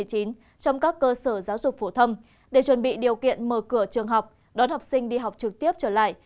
trong các cơ sở giáo dục phổ thông để chuẩn bị điều kiện mở cửa trường học đón học sinh đi học trực tiếp trở lại